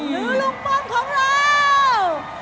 หรือลูกบอมของเรา